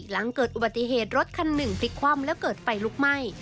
หลังเกิดอุบัติเหตุรถคันหนึ่งพลิกคว่ำแล้วเกิดไฟลุกไหม้